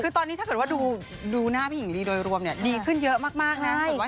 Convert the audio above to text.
คือตอนนี้ถ้าเกิดว่าดูหน้าพี่หญิงลีโดยรวมเนี่ยดีขึ้นเยอะมากนะ